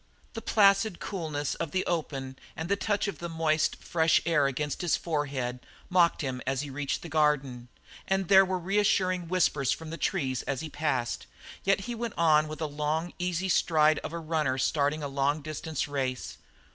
The placid coolness of the open and the touch of moist, fresh air against his forehead mocked him as he reached the garden, and there were reassuring whispers from the trees he passed; yet he went on with a long, easy stride like a runner starting a distance race.